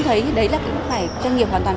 thấy đấy là cũng phải doanh nghiệp hoàn toàn